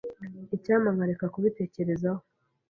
Icyampa nkareka kubitekerezaho.